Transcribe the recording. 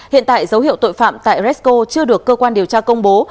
hiện tại dấu hiệu tội phạm tại resco chưa được cơ quan điều tra công bố